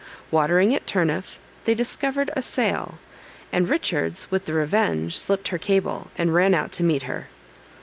Watering at Turniff, they discovered a sail, and Richards with the Revenge slipped her cable, and ran out to meet her.